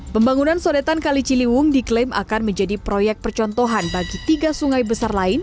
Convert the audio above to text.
pembangunan sodetan kali ciliwung diklaim akan menjadi proyek percontohan bagi tiga sungai besar lain